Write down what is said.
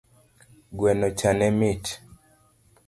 Gwenocha ne mit